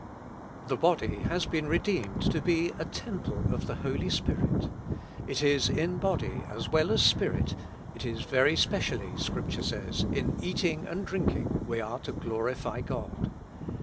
The body has been redeemed to be a temple of the Holy Spirit ; it is in body as well 105 With Christ in the School of Prayer. as spirit, it is very specially, Scripture says, in eating and drinking, we are to glorify God.